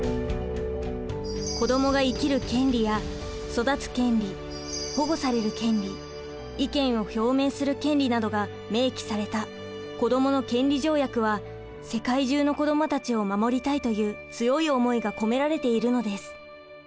子どもが生きる権利や育つ権利保護される権利意見を表明する権利などが明記された子どもの権利条約は世界中の子どもたちを守りたいという強い思いが込められているのです。